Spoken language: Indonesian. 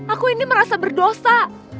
aku ini merasa berdosa